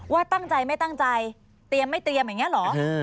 ว่าตั้งใจไม่ตั้งใจเตรียมไม่เตรียมอย่างนี้เหรอ